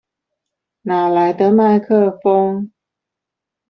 哪來的麥克風